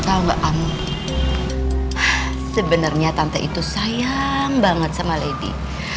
tau gak ami sebenarnya tante itu sayang banget sama lady